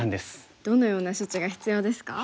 どのような処置が必要ですか？